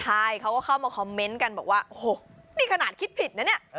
ใช่เขาก็เข้ามาคอมเมนต์กันบอกว่าโอ้โหนี่ขนาดคิดผิดนะเนี่ย